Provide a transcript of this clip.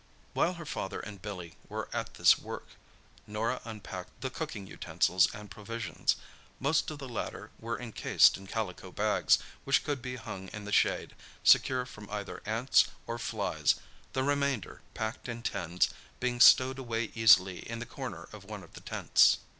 While her father and Billy were at this work, Norah unpacked the cooking utensils and provisions. Most of the latter were encased in calico bags, which could be hung in the shade, secure from either ants or flies, the remainder, packed in tins, being stowed away easily in the corner of one of the tents.